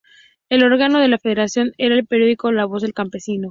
El órgano de la federación era el periódico 'La voz del campesino'.